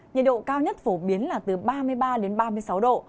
nhiệt độ cao nhất phổ biến là từ ba mươi ba đến ba mươi sáu độ